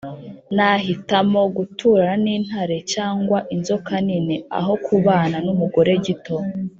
Nahitamo guturana n’intare cyangwa inzoka nini, aho kubana n’umugore gito.